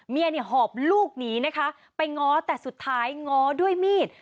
เมียเนี่ยหอบลูกหนีนะคะไปง้อแต่สุดท้ายง้อด้วยมีด